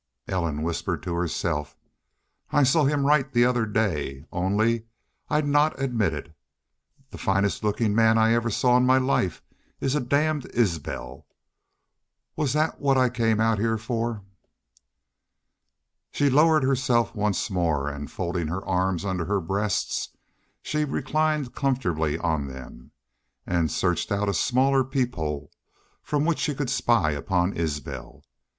Ellen whispered to herself: "I saw him right the other day. Only, I'd not admit it.... The finest lookin' man I ever saw in my life is a damned Isbel! Was that what I come out heah for?" She lowered herself once more and, folding her arms under her breast, she reclined comfortably on them, and searched out a smaller peephole from which she could spy upon Isbel.